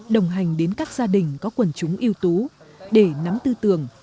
đồng hành đến các gia đình có quần chúng yếu tố để nắm tư tưởng